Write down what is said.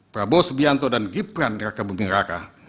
prabowo subianto dan gibran raka bungkiraka